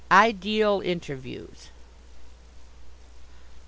Ideal Interviews I.